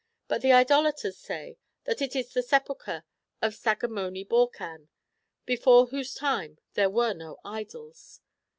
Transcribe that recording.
But the Idolaters say that it is the sepulchre of Sagamoni Borcan, before whose time there were no idols.